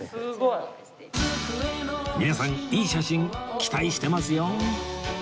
皆さんいい写真期待してますよ！